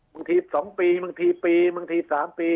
บางทีสองปีบางทีปีบางทีสามปี